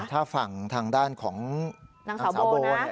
ถ้าฟังทางด้านของนางสาวโบเนี่ย